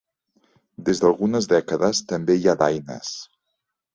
Des d'algunes dècades, també hi ha daines.